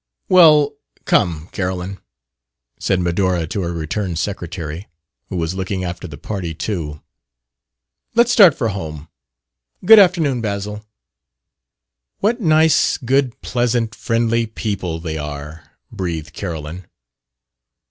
"Well, come, Carolyn," said Medora, to her returned secretary, who was looking after the party too; "let's start for home. Good afternoon, Basil." "What nice, good, pleasant, friendly people they are!" breathed Carolyn.